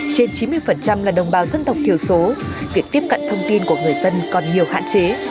trên chín mươi là đồng bào dân tộc thiểu số việc tiếp cận thông tin của người dân còn nhiều hạn chế